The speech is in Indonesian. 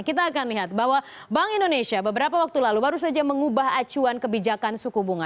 kita akan lihat bahwa bank indonesia beberapa waktu lalu baru saja mengubah acuan kebijakan suku bunga